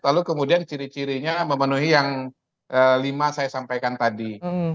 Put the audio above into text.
lalu kemudian ciri cirinya memenuhi yang lima saya sampaikan tadi